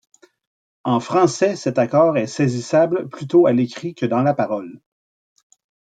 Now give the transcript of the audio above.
En français, cet accord est saisissable plutôt à l’écrit que dans la parole.